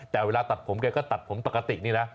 แต่เวลาตัดผมแกก็ตัดผมปกตินี่นะ